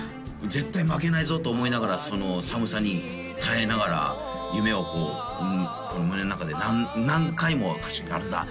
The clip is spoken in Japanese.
絶対負けないぞと思いながらその寒さに耐えながら夢をこう胸の中で何回も「歌手になるんだ」